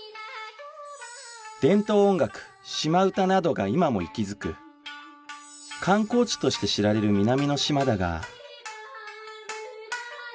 伝統音楽島唄などが今も息づく観光地として知られる南の島だが